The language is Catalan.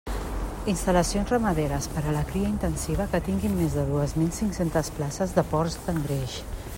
Instal·lacions ramaderes per a la cria intensiva que tinguin més de dues mil cinc-centes places de porcs d'engreix.